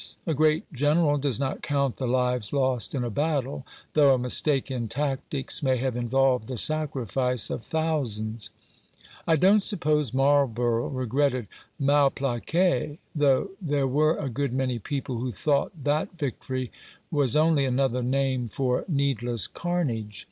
A great General does not count the lives lost in a battle, though a mistake in tactics may have involved the sacrifice of thousands. I don't suppose Marlborough regretted Malplaquet, though there were a good many people who thought that victory was only another name for needless carnage.